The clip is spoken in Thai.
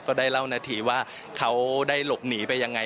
ก็ได้เล่านาทีว่าเขาได้หลบหนีไปยังไง